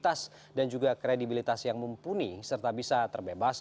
untuk mendapatkan informasi terbaru